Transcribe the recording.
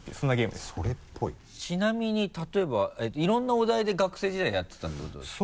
ちなみに例えばいろんなお題で学生時代やってたってことですか？